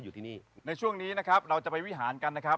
วัดสุทัศน์นี้จริงแล้วอยู่มากี่ปีตั้งแต่สมัยราชการไหนหรือยังไงครับ